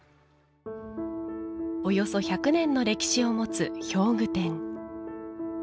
およそ１００年の歴史を持つ表具店。